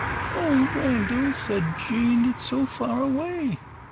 "Oh, Randal," said Jean, "it is so far away!"